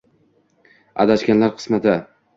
Adashganlar qismati